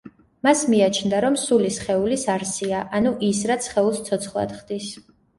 მას მიაჩნდა, რომ სული სხეულის არსია, ანუ ის, რაც სხეულს ცოცხლად ხდის.